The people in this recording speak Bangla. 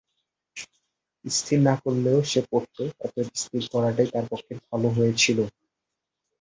স্থির না করলেও সে পড়ত, অতএব স্থির করাটাই তার পক্ষে ভালো হয়েছিল।